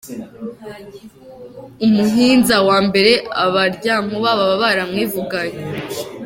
Umuhinza wa mbere Abaryankuna baba baramwivuganye!